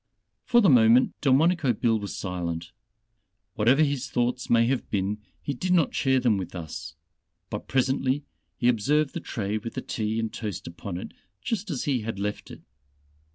For the moment Delmonico Bill was silent whatever his thoughts may have been, he did not share them with us. But presently, he observed the tray with the tea and toast upon it, just as he had left it.